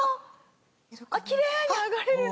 キレイに剥がれるね。